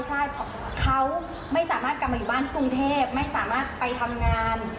ใช่เขาไม่สามารถกลับมาอยู่บ้านที่กรุงเทพไม่สามารถไปทำงาน